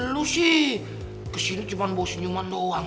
lu sih kesini cuma bawa senyuman doang